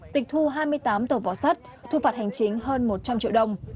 tịch thu hai mươi tám tàu vỏ sắt thu phạt hành chính hơn một trăm linh triệu đồng